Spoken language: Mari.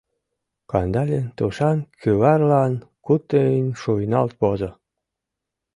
Кандалин тушан кӱварлан кутынь шуйналт возо.